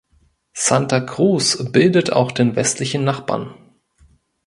Santa Cruz bildet auch den westlichen Nachbarn.